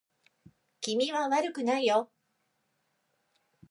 君は悪くないよ